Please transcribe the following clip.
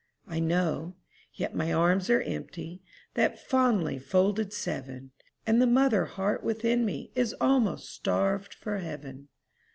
I know, yet my arms are empty, That fondly folded seven, And the mother heart within me Is almost starved for heaven.